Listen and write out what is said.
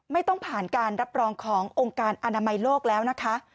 ไม่ต้องผ่านการรับรองขององค์การอนามัยโลกแล้วนะคะ